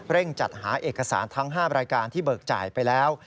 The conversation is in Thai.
จัดหาเอกสารทั้ง๕รายการที่เบิกจ่ายไปแล้ว